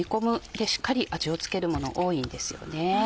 でしっかり味を付けるもの多いんですよね。